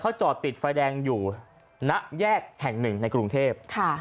จอดติดไฟแดงอยู่ณแยกแห่งหนึ่งในกรุงเทพ